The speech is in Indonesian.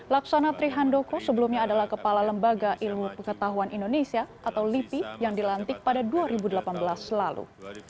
laksana trihandoko sebelumnya adalah kepala lembaga ilmu pengetahuan indonesia atau lipi yang dilantik pada dua ribu delapan belas lalu